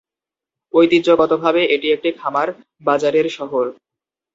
ঐতিহ্যগতভাবে এটি একটি খামার বাজারের শহর।